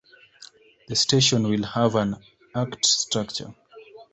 The station will have an arched structure.